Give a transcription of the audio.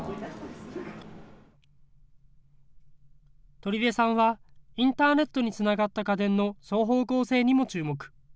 取出さんは、インターネットにつながった家電の双方向性にも注目。